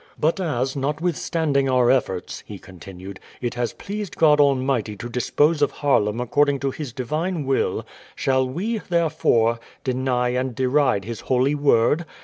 "But as, notwithstanding our efforts," he continued, "it has pleased God Almighty to dispose of Haarlem according to His divine will, shall we, therefore, deny and deride His holy word?